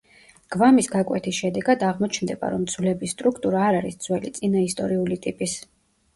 გვამის გაკვეთის შედეგად აღმოჩნდება, რომ ძვლების სტრუქტურა არ არის ძველი, წინაისტორიული ტიპის.